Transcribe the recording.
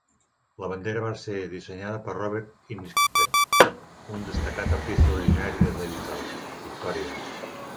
La bandera va ser dissenyada per Robert Ingpen, un destacat artista originari de Drysdale, Victòria.